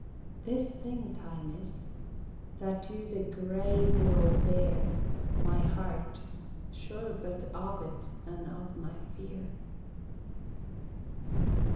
This thing Time is, that to the grave will bear My heart, sure but of it and of my fear.